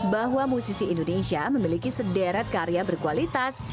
bahwa musisi indonesia memiliki sederet karya berkualitas